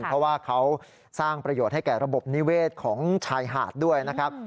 เพราะว่าเขาสร้างประโยชน์ให้แก่ระบบนิเวศของชายหาดด้วยนะครับ